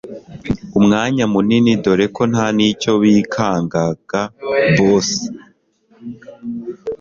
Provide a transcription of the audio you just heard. umwanya munini dore ko ntanicyo bikangaga boss